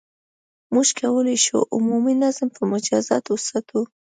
• موږ کولای شو، عمومي نظم په مجازاتو وساتو.